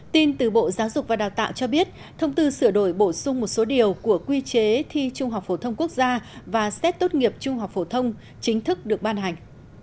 tin từ bộ giáo dục và đào tạo cho biết thông tư sửa đổi bổ sung một số điều của quy chế thi trung học phổ thông quốc gia và xét tốt nghiệp trung học phổ thông chính thức được ban hành